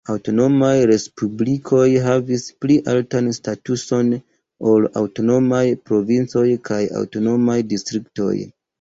Aŭtonomaj respublikoj havis pli altan statuson ol aŭtonomaj provincoj kaj aŭtonomaj distriktoj.